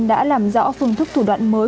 đã làm rõ phương thức thủ đoạn mới